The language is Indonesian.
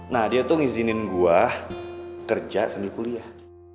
nah dia tuh ngizinin gua kerja semi kuliah